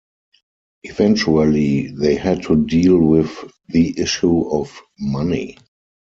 Eventually, they had to deal with the issue of money.